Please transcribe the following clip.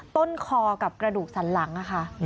ต้นคอกับกระดูกสันหลังค่ะ